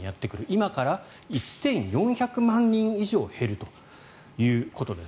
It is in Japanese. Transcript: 今から１４００万人以上減るということです。